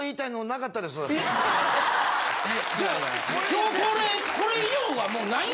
今日これこれ以上はもう無いんや？